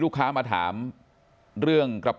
คุณพี่สมบูรณ์สังขทิบ